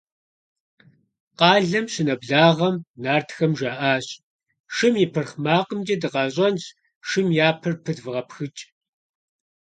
Къалэм щынэблагъэм, нартхэм жаӏащ: – Шым я пырхъ макъымкӏэ дыкъащӏэнщ, шым я пэр пыдвгъэпхыкӏ.